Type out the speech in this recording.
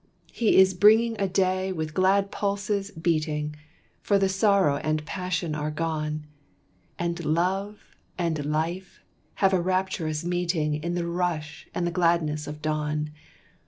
He is bringing a day with glad pulses beating, For the sorrow and passion are gone, And Love and Life have a rapturous meeting In the rush and the gladness of dawn.